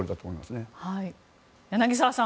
柳澤さん